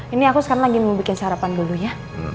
ini aku sekarang lagi mau bikin sarapan dulu ya